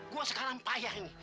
gue sekarang payah ini